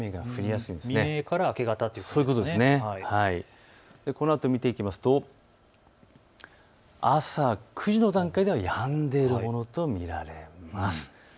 さらにこのあと見ていくと朝９時の段階ではやんでいるものと見られます。